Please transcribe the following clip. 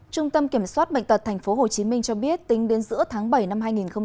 trung tâm kiểm soát bệnh tật tp hcm cho biết tính đến giữa tháng bảy năm hai nghìn hai mươi